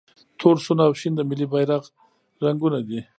تور، سور او شین د ملي بیرغ رنګونه دي.